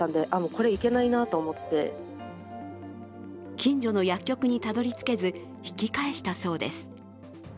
近所の薬局にたどりつけず、引き返したそうです。